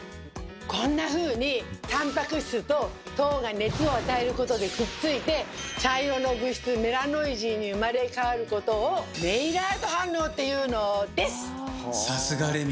こんなふうにタンパク質と糖が熱を与えることでくっついて茶色の物質メラノイジンに生まれ変わることをメイラード反応って言うのです！